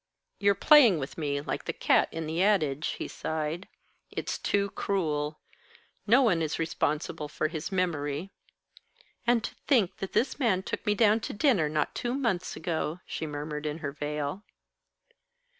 "You're playing with me like the cat in the adage," he sighed. "It's too cruel. No one is responsible for his memory." "And to think that this man took me down to dinner not two months ago!" she murmured in her veil.